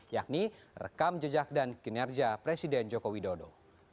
yakni rekam jejak dan kinerja presiden jokowi dodo